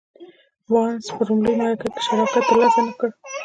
بارنس په لومړۍ مرکه کې شراکت تر لاسه نه کړ.